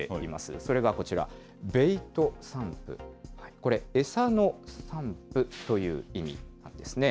それがこちら、ベイト散布、これ、餌の散布という意味なんですね。